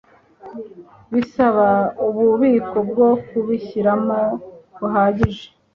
bisaba ububiko bwo kubishyiramo buhagije